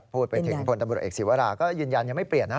พูดไปถึงพลตำรวจเอกศิวราก็ยืนยันยังไม่เปลี่ยนนะ